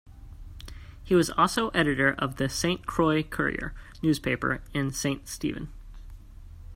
He was also editor of the "Saint Croix Courier" newspaper in Saint Stephen.